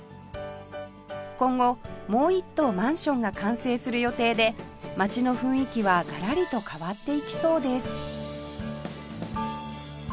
今後もう１棟マンションが完成する予定で街の雰囲気はガラリと変わっていきそうです